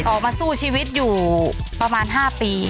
ออกมาสู้ชีวิตอยู่ประมาณ๕ปี